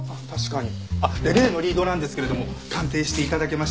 で例のリードなんですけれども鑑定して頂けました？